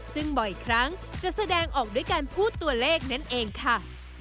ซึ่งบ่อยครั้งจะแสดงออกด้วยการพูดตัวเลขนั่นเองค่ะ